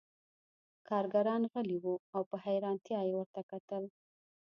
کارګران غلي وو او په حیرانتیا یې ورته کتل